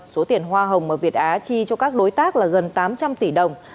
số tiền hoa hồng mà việt á chi cho các đối tác là gần tám trăm linh tỷ đồng